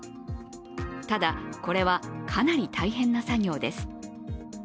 ただ、これはかなり大変な作業です。